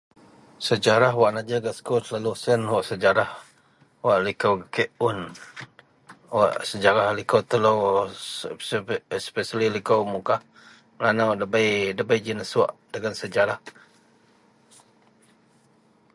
Sejarah wak najar gak sekul selalu wak sejarah wak liko kek un, wak sejarah liko telo, especially liko mukah melanau debei, debei g nesok dagen sejarah.